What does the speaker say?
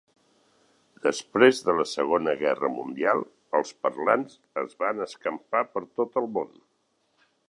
Després de la Segona Guerra Mundial, els parlants es van escampar per tot el món.